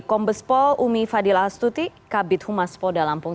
kompos pol umi fadila astuti kabit humas poda lampung